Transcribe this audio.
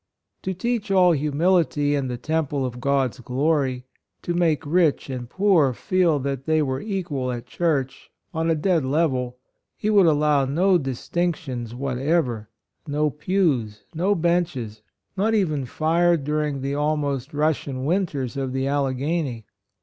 To teach all humility in the tem ple of God's glory — to make rich and poor feel that all were equal at church — on a dead level — he PASTORAL RELATIONS. 115 would allow no distinctions what ever — no pews — no benches — not even fire during the almost Rus sian winters of the Alleghany.